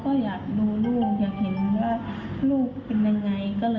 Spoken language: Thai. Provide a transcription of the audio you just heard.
ก็อยากรู้ลูกค่ะอยากเห็นลูกเป็นยังไง